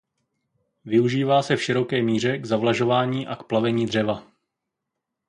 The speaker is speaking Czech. Využívá se v široké míře k zavlažování a k plavení dřeva.